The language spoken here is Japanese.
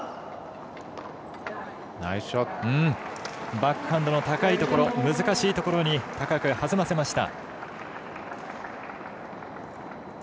バックハンドの高いところ難しいところに高く弾ませました。